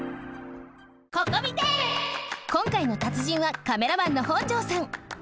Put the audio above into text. こんかいの達人はカメラマンの本城さん。